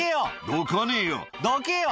「どかねえよ」「どけよ！」